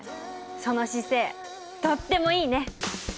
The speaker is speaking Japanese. その姿勢とってもいいね！